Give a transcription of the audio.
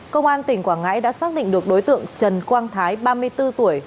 công an tỉnh quảng ngãi đã xác định được đối tượng trần quang thái ba mươi bốn tuổi